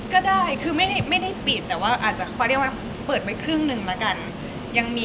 ก็ได้คือไม่ได้ปิดแต่ว่าอาจจะเขาเรียกว่าเปิดไปครึ่งหนึ่งแล้วกันยังมี